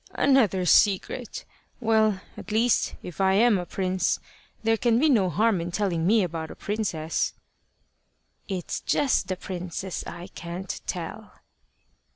"Another secret? Well, at least, if I am a prince, there can be no harm in telling me about a princess." "It's just the princes I can't tell."